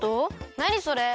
なにそれ？